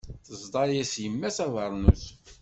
Teẓḍa-yas yemma-s abernus.